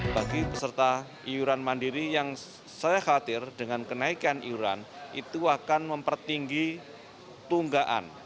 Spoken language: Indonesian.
bagi peserta iuran mandiri yang saya khawatir dengan kenaikan iuran itu akan mempertinggi tunggaan